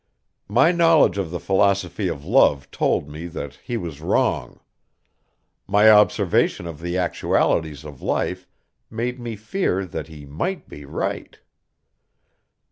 My knowledge of the philosophy of love told me that he was wrong; my observation of the actualities of life made me fear that he might be right.